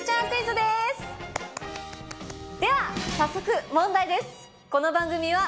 では早速問題です。